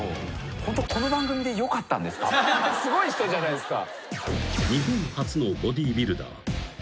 すごい人じゃないですか。